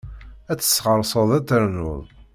Ad tesɣeṛṣeḍ, ad ternuḍ!